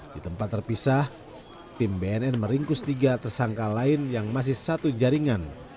di tempat terpisah tim bnn meringkus tiga tersangka lain yang masih satu jaringan